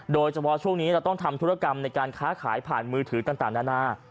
โดยเฉพาะช่วงนี้เราต้องทำธุรกรรมในการค้าขายผ่านมือถือต่างนานา